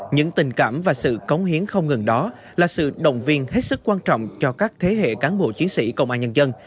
những tình cảm và sự cống hiến không ngừng đó là sự động viên hết sức quan trọng cho các thế hệ cán bộ chiến sĩ công an nhân dân